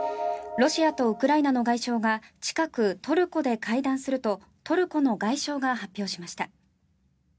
ロシアとウクライナの外相は近くトルコで会談するとトルコの外相が発表しました。